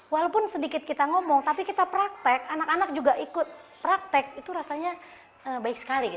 walaupun sedikit kita ngomong tapi kita praktek anak anak juga ikut praktek itu rasanya baik sekali